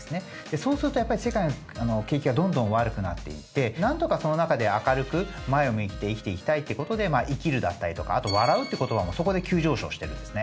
そうすると世界の景気がどんどん悪くなっていってなんとかその中で明るく前を向いて生きていきたいっていう事で「生きる」だったりとかあと「笑う」っていう言葉もそこで急上昇してるんですね。